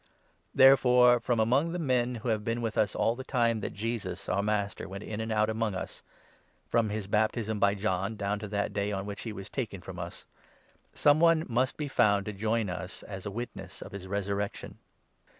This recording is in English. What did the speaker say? Therefore, from among the men who have been with us all the 21 time that Jesus, our Master, went in and out among us — from his baptism by John down to that day on which he was 22 taken from us — s<5me one must be found to join us as a witness of his resurrection."